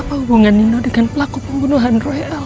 apa hubungan nino dengan pelaku pembunuhan roy am